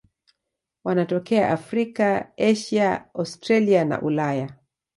Wanatokea Afrika, Asia, Australia na Ulaya.